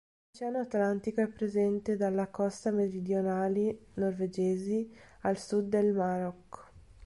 In Oceano Atlantico è presente dalle coste meridionali norvegesi al sud del Marocco.